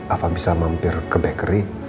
apa bisa mampir ke bakery